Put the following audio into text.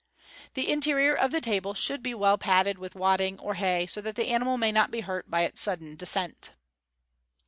The interior of the table should be well padded with wadding or hay, that the animal may not be hurt by its sudden descent.